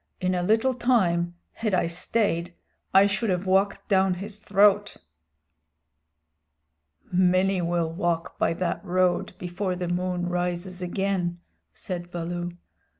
"In a little time, had I stayed, I should have walked down his throat." "Many will walk by that road before the moon rises again," said Baloo.